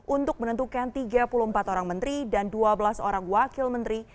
untuk menentukan tiga puluh empat orang menteri dan dua belas orang wakil menteri